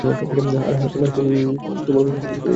আর হ্যাঁ, তোমার বোন ফোন করেছিল।